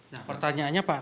nah pertanyaannya pak